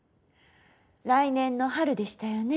来年の春でしたよね？